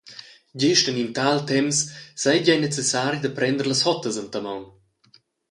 Gest en in tal temps seigi ei necessari da prender las hottas enta maun.